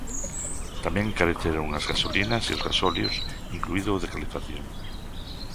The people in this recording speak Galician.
Tamén encareceron as gasolinas e os gasóleos, incluído o de calefacción.